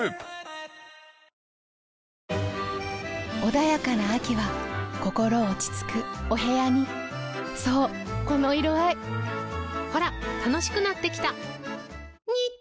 穏やかな秋は心落ち着くお部屋にそうこの色合いほら楽しくなってきた！